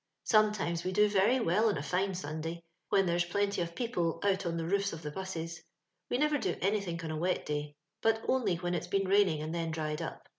Sometimes wo do very well on a fine Sunday, when there's plenty of people out on the roo& of the busses. We never do anythink on a wet day, but only when it's been raining and then dried up.